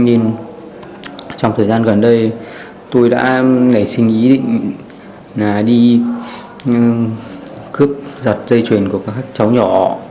nên trong thời gian gần đây tôi đã nảy sinh ý định là đi cướp giật dây chuyền của các cháu nhỏ